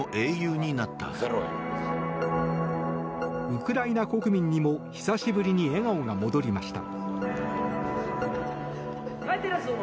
ウクライナ国民にも久しぶりに笑顔が戻りました。